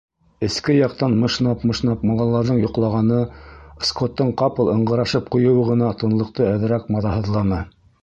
Эске яҡтан мышнап-мышнап балаларҙың йоҡлағаны, Скоттың ҡапыл ыңғырашып ҡуйыуы ғына тынлыҡты әҙерәк маҙаһыҙланы.